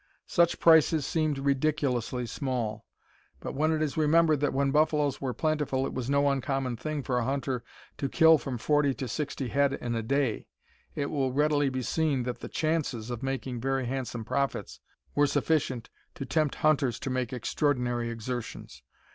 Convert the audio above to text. Such prices seem ridiculously small, but when it is remembered that, when buffaloes were plentiful it was no uncommon thing for a hunter to kill from forty to sixty head in a day, it will readily be seen that the chances of making very handsome profits were sufficient to tempt hunters to make extraordinary exertions.